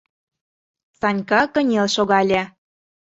— Санька кынел шогале.